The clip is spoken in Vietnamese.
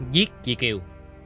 giết chị kiều